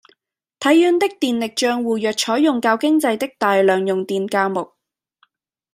體院的電力帳戶若採用較經濟的大量用電價目